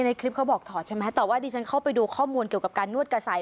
ในคลิปเขาบอกถอดใช่ไหมแต่ว่าดิฉันเข้าไปดูข้อมูลเกี่ยวกับการนวดกระสัย